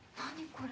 これ。